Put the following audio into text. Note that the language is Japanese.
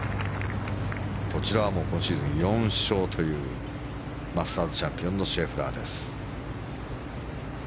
こちらは今シーズン４勝というマスターズチャンピオンのシェフラーです。